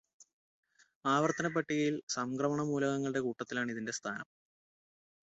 ആവർത്തനപ്പട്ടികയിൽ സംക്രമണമൂലകങ്ങളുടെ കൂട്ടത്തിലാണ് ഇതിന്റെ സ്ഥാനം